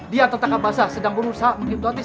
dia tetangga basah sedang berusaha menghipotis